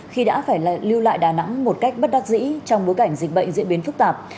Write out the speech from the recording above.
khi đã phải lưu lại đà nẵng một cách bất đắc dĩ trong bối cảnh dịch bệnh diễn biến phức tạp